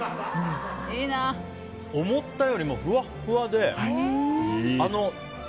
思ったよりも、ふわっふわで。